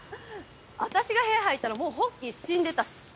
私が部屋入ったらもうホッキー死んでたし。